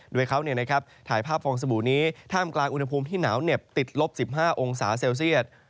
โดยเขาถ่ายภาพฟองสบู่นี้ท่ามกลางอุณหภูมิที่หนาวเหน็บติดลบ๑๕องศาเซลเซียต